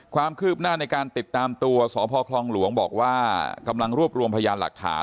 ความคืบหน้าในการติดตามตัวสพคลองหลวงบอกว่ากำลังรวบรวมพยานหลักฐาน